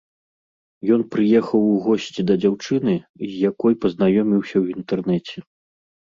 Ён прыехаў у госці да дзяўчыны, з якой пазнаёміўся ў інтэрнэце.